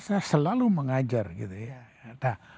saya selalu mengajar gitu ya